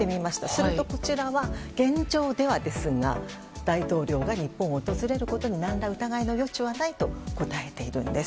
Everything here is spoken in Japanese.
すると、こちらは現状ではですが大統領が日本を訪れることに何ら疑いの余地はないと答えているんです。